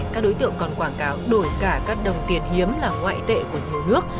các đối tượng còn quảng cáo đổi cả các đồng tiền hiếm là ngoại tệ của nhiều nước